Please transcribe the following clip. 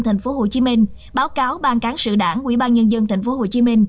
tp hcm báo cáo ban cán sự đảng ủy ban nhân dân tp hcm